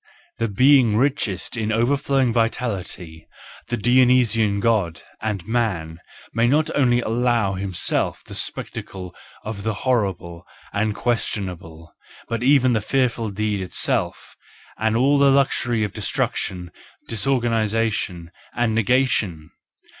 The being richest in overflowing vitality, the Dionysian God and man, may not only allow himself the spectacle of the horrible and question¬ able, but even the fearful deed itself, and all the luxury of destruction, disorganisation and negation.